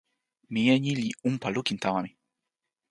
mije ni li unpa lukin tawa mi.